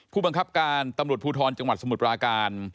ผู้บังคับการตำรวจภูทรจังหวัดสมุทรปราการ